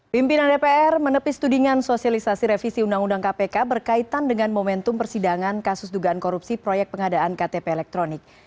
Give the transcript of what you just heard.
pimpinan dpr menepis tudingan sosialisasi revisi undang undang kpk berkaitan dengan momentum persidangan kasus dugaan korupsi proyek pengadaan ktp elektronik